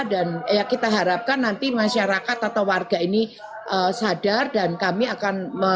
dan kita harapkan nanti masyarakat atau warga ini sadar dan kami akan